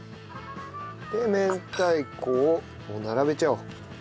で明太子をもう並べちゃおう。